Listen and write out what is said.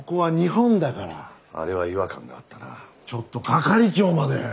ちょっと係長まで！